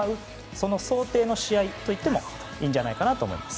その想定の試合といってもいいんじゃないかなと思います。